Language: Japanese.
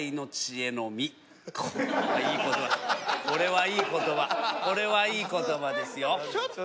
これはいいことばこれはいいことばですよ。